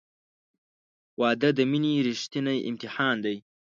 • واده د مینې ریښتینی امتحان دی.